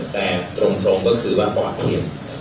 แต่ตรงก็คือว่าปลอดภัย